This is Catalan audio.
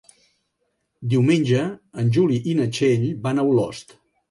Diumenge en Juli i na Txell van a Olost.